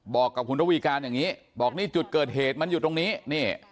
บอกกับคุณระวีการอย่างนี้บอกนี่จุดเกิดเหตุมันอยู่ตรงนี้นี่